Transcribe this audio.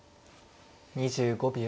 ２５秒。